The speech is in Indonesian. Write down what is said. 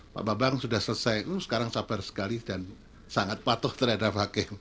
pak babang sudah selesai sekarang sabar sekali dan sangat patuh terhadap hakim